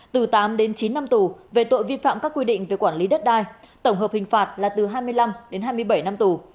từ tám đến chín năm tù về tội vi phạm các quy định về quản lý đất đai tổng hợp hình phạt là từ hai mươi năm đến hai mươi bảy năm tù